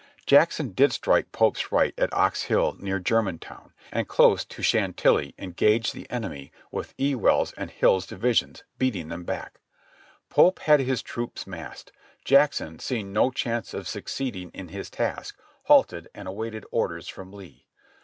Jackson did strike Pope's right at Ox Hill near Germantown, and THE ADVANCE ^C>7 close to Chantilly engaged the enemy with Ewell's and Hill's divisions, beating them back. Pope had his troops massed. Jackson, seeing no chance of succeeding in his task, halted and awaited orders from Lee.